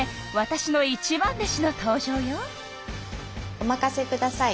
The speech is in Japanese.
おまかせください。